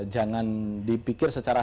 jangan dipikir secara